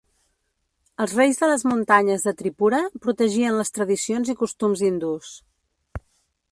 Els reis de les Muntanyes de Tripura protegien les tradicions i costums hindús.